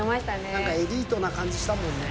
なんかエリートな感じしたもんね。